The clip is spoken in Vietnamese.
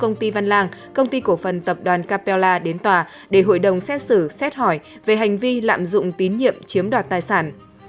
công ty văn lang công ty cổ phần tập đoàn capella đến tòa để hội đồng xét xử xét hỏi về hành vi lạm dụng tín nhiệm chiếm đoạt tài sản